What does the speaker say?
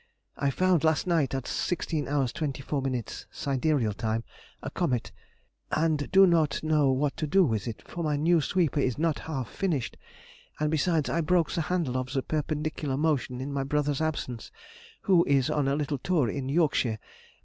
I found last night, at 16^h 24ʹ sidereal time, a comet, and do not know what to do with it, for my new sweeper is not half finished; and besides, I broke the handle of the perpendicular motion in my brother's absence (who is on a little tour into Yorkshire).